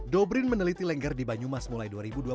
dobrin meneliti lengger di banyumas mulai dua ribu dua puluh